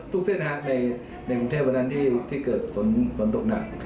เส้นในกรุงเทพวันนั้นที่เกิดฝนตกหนัก